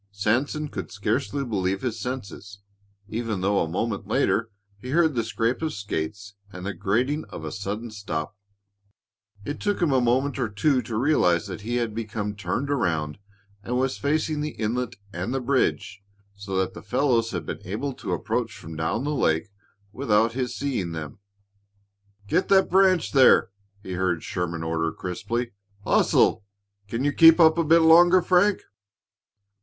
Sanson could scarcely believe his senses, even though a moment later he heard the scrape of skates and the grating of a sudden stopping. It took him a moment or two to realize that he had become turned around and was facing the inlet and the bridge, so that the fellows had been able to approach from down the lake without his seeing them. "Get that branch there," he heard Sherman order crisply. "Hustle! Can you keep up a bit longer, Frank?"